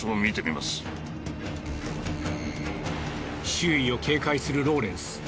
周囲を警戒するローレンス。